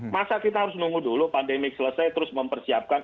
masa kita harus nunggu dulu pandemik selesai terus mempersiapkan